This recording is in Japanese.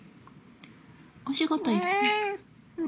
お仕事行って。